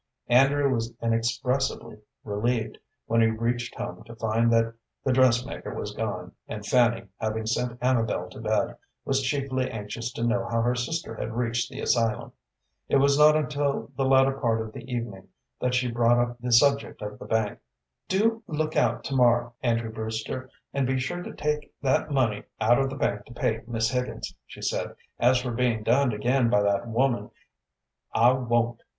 Andrew was inexpressibly relieved when he reached home to find that the dressmaker was gone, and Fanny, having sent Amabel to bed, was chiefly anxious to know how her sister had reached the asylum. It was not until the latter part of the evening that she brought up the subject of the bank. "Do look out to morrow, Andrew Brewster, and be sure to take that money out of the bank to pay Miss Higgins," she said. "As for being dunned again by that woman, I won't!